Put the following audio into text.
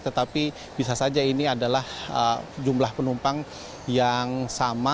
tetapi bisa saja ini adalah jumlah penumpang yang sama